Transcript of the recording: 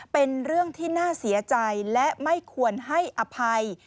เป็นเรื่องที่น่าเสียใจและไม่ควรให้อภัย